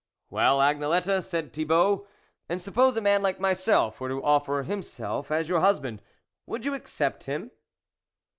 " Well, Agnelette," said Thibault " and suppose a man like myself were to offer himself as your husband, would you accept him